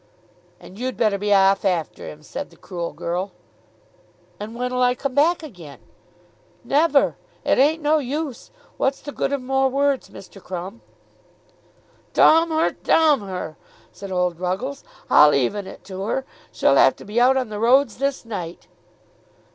"And you'd better be aff after him," said the cruel girl. "And when'll I come back again?" "Never. It ain't no use. What's the good of more words, Mr. Crumb?" "Domm her; domm her," said old Ruggles. "I'll even it to her. She'll have to be out on the roads this night."